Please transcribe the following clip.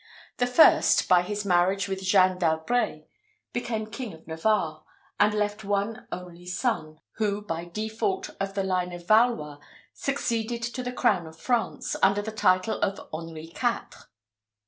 The first, by his marriage with Jeanne d'Albret, became King of Navarre, and left one only son, who, by default of the line of Valois, succeeded to the crown of France, under the title of Henri Quatre.